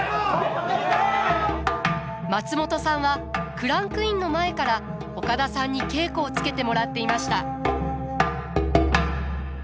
松本さんはクランクインの前から岡田さんに稽古をつけてもらっていました。